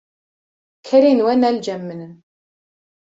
kerên we ne li cem min in.